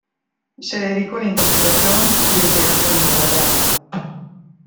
Se dedicó a la interpretación y el teatro en Inglaterra.